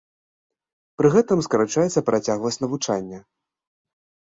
Пры гэтым скарачаецца працягласць навучання.